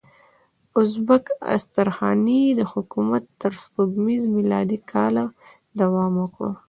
ازبک استرخاني حکومت تر سپوږمیز میلادي کاله دوام وکړ.